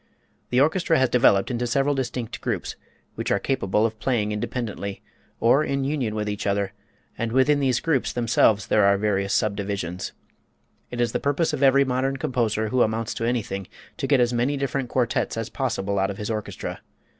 The orchestra has developed into several distinct groups, which are capable of playing independently, or in union with each other, and within these groups themselves there are various subdivisions. It is the purpose of every modern composer who amounts to anything, to get as many different quartets as possible out of his orchestra.